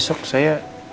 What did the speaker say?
enggak gak usah